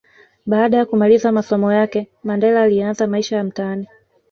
Baada ya kumaliza masomo yake Mandela aliyaanza maisha ya mtaani